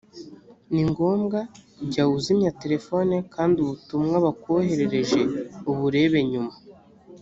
ni ngombwa jya uzimya terefoni kandi ubutumwa bakoherereje uburebe nyuma.